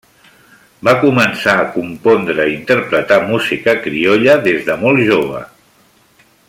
Va començar a compondre i interpretar música criolla des de molt jove.